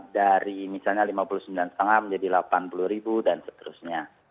dari misalnya lima puluh sembilan lima menjadi delapan puluh ribu dan seterusnya